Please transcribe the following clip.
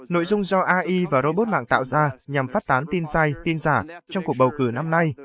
nội dung do ai và robot mạng tạo ra nhằm phát tán tin sai tin giả trong cuộc bầu cử năm nay